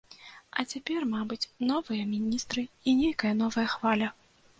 А цяпер, мабыць, новыя міністры і нейкая новая хваля.